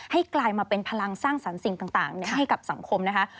กลายมาเป็นพลังสร้างสรรค์สิ่งต่างให้กับสังคมนะคะ